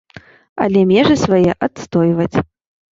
Але межы свае адстойваць.